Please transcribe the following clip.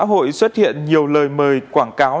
xã hội xuất hiện nhiều lời mời quảng cáo